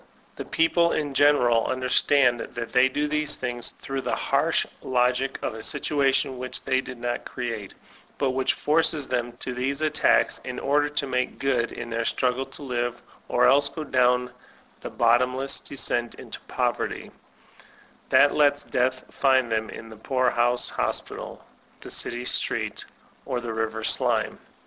The people in general understand that they do these things, through the harsh logic of a situation which they did not create, but which forces them to these attacks in order to make good in their struggle to live, or else go down the bottomless descent into poverty, that lets Death find them in the poorhouse hospital, the city street, or the river sltme.